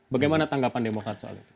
bagaimana tanggapan demokrat soal itu